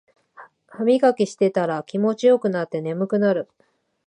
ハミガキしてたら気持ちよくなって眠くなる